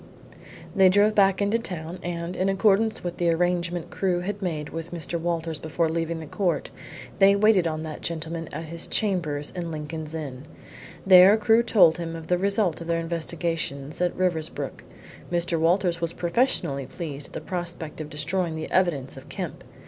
They drove back to town, and, in accordance with the arrangement Crewe had made with Mr. Walters before leaving the court, they waited on that gentleman at his chambers in Lincoln's Inn. There Crewe told him of the result of their investigations at Riversbrook. Mr. Walters was professionally pleased at the prospect of destroying the evidence of Kemp.